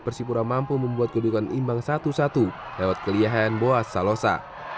persipura mampu membuat kedudukan imbang satu satu lewat keliahian buas salosa